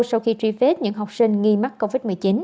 sau khi truy vết những học sinh nghi mắc covid một mươi chín